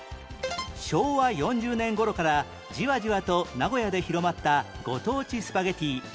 昭和４０年頃からじわじわと名古屋で広まったご当地スパゲティ